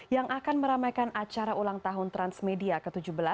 yang akan meramaikan acara ulang tahun transmedia ke tujuh belas